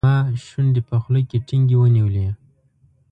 ما شونډې په خوله کې ټینګې ونیولې.